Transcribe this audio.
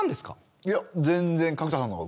いや全然角田さんのが上。